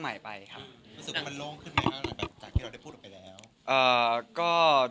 อ่าก็